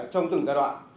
trong từng giai đoạn